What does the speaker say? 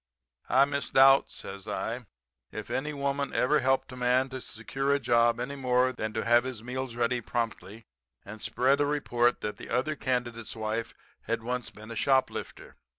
"'I misdoubt,' says I, 'if any woman ever helped a man to secure a job any more than to have his meals ready promptly and spread a report that the other candidate's wife had once been a shoplifter.